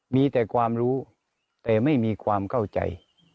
มีแต่ความรู้แต่ไม่มีความเข้าใจ